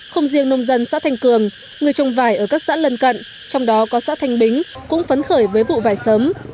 không riêng nông dân xã thanh cường người trồng vải ở các xã lân cận trong đó có xã thanh bính cũng phấn khởi với vụ vải sớm